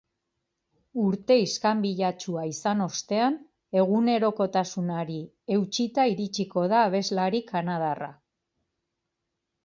Urte iskanbilatsua izan ostean, egunerokotasunari eutsita iritsiko da abeslari kanadarra.